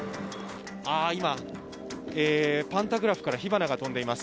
今、パンタグラフから火花が飛んでいます。